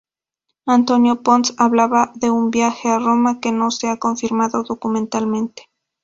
Antonio Ponz hablaba de un viaje a Roma que no se ha confirmado documentalmente.